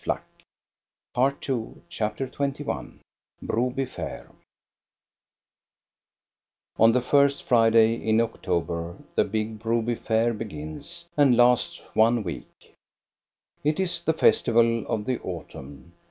BROBY FAIR 429 CHAPTER XXI BROBY FAIR On the first Friday in October the big Broby Fair begins, and lasts one week. It is the festival of the autumn.